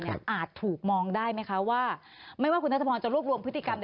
อาจถูกมองได้ไหมคะว่าไม่ว่าคุณนัทพรจะรวบรวมพฤติกรรม